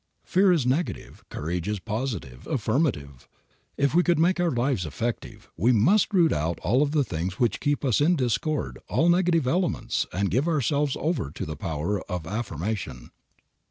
Fear is negative; courage is positive, affirmative. If we would make our lives effective, we must root out all of the things which keep us in discord, all negative elements, and give ourselves over to the power of affirmation.